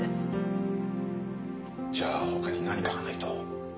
じゃあ他に何かがないと。